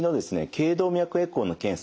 頸動脈エコーの検査